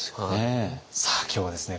さあ今日はですね